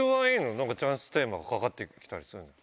なんかチャンステーマがかかってきたりするけど。